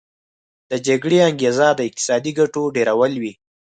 د جګړې انګیزه د اقتصادي ګټو ډیرول وي